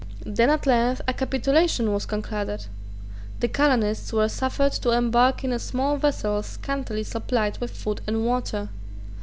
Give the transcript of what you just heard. Then at length a capitulation was concluded. The colonists were suffered to embark in a small vessel scantily supplied with food and water.